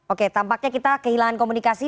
oke tampaknya kita kehilangan komunikasi